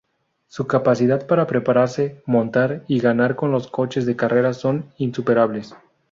Su capacidad para prepararse, montar y ganar con los coches de carreras son insuperables.